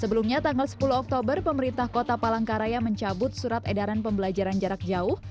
sebelumnya tanggal sepuluh oktober pemerintah kota palangkaraya mencabut surat edaran pembelajaran jarak jauh